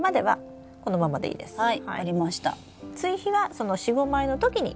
はい。